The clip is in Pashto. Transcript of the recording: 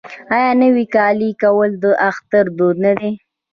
آیا نوی کالی کول د اختر دود نه دی؟